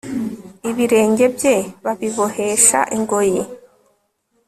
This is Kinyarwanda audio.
ibirenge bye babibohesha ingoyi